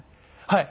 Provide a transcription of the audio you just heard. はい。